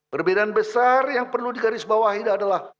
perbedaan besar yang perlu digarisbawah ini adalah